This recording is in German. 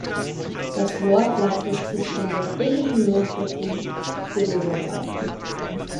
Das Wort leitet sich von der griechischen Mondgöttin Selene ab.